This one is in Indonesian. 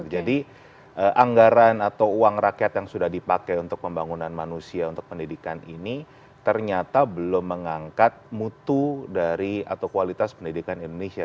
jadi anggaran atau uang rakyat yang sudah dipakai untuk pembangunan manusia untuk pendidikan ini ternyata belum mengangkat mutu dari atau kualitas pendidikan indonesia